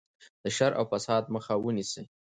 د شر او فساد مخه ونیسئ.